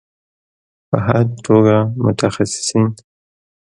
په هر توګه متخصصین